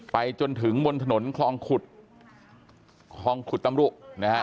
ไปจนถึงบนถนนคลองขุดของขุดตำรุธนตรมนี้